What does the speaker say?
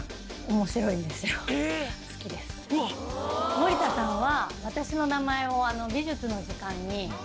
森田さんは。